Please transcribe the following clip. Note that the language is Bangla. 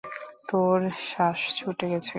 তোর শ্বাস ছুটে গেছে!